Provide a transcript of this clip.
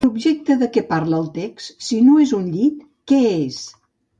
L'objecte de què parla el text, si no és un llit, què és?